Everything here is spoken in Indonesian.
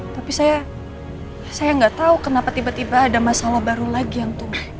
tapi saya saya gak tau kenapa tiba tiba ada masalah baru lagi yang tunggu